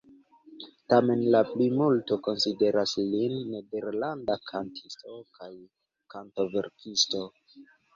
Tamen la plimulto konsideras lin nederlanda kantisto kaj kantoverkisto.